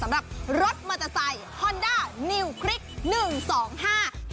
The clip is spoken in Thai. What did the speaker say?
สำหรับรถมอเตอร์ไซค์ฮอนด้านิวคลิกหนึ่งสองห้า